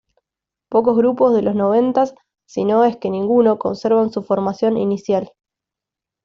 Pocos grupos de los noventas si no es que ninguno conservan su formación inicial.